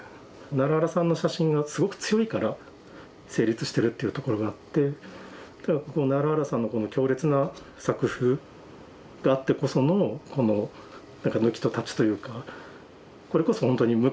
奈良原さんの写真がすごく強いから成立してるっていうところがあって奈良原さんのこの強烈な作風があってこそのこの抜きと立というか。